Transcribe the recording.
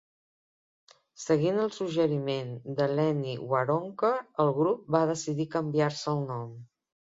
Seguint el suggeriment de Lenny Waronker, el grup va decidir canviar-se el nom.